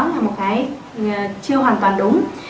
là một cái chưa hoàn toàn đúng